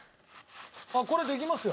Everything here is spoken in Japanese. これできますよ。